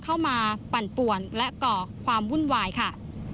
เข้ามาปั่นป่วนและเกาะความวุ่นวายค่ะ